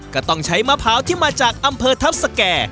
ก็ต้องใช้มะพร้าวที่มาจากอำเภอทัพสแก่